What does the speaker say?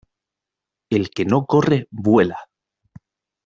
El que no corre vuela.